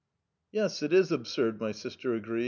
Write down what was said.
" Yes, it is absurd/' my sister would agree.